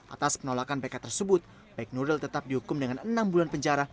atas penolakan pk tersebut baik nuril tetap dihukum dengan enam bulan penjara